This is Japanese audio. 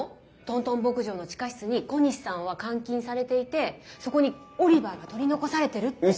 トントン牧場の地下室に小西さんは監禁されていてそこにオリバーが取り残されてるって。